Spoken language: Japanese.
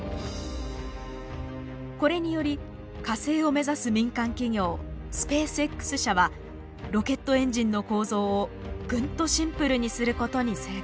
これにより火星を目指す民間企業スペースＸ社はロケットエンジンの構造をぐんとシンプルにすることに成功。